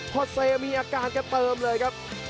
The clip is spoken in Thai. พอเซมีอาการแกเติมเลยครับ